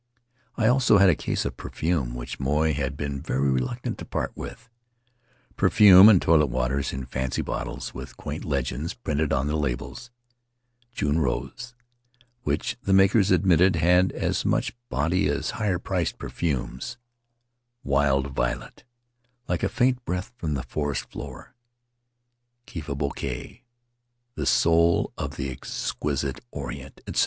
I also had a case of perfume which Moy had been very reluctant to part with — perfume and toilet waters in fancy bottles, with quaint legends printed on the labels — "June Rose," which the makers admitted had "as much bodv as higher priced perfumes"; "Wild Violet: Like a faint breath from the forest floor"; "Khiva Bouquet: The Soul of the Exquisite Orient"; etc.